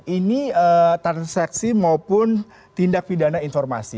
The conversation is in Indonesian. ini transaksi maupun tindak pidana informasi